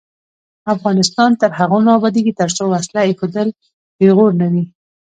افغانستان تر هغو نه ابادیږي، ترڅو وسله ایښودل پیغور نه وي.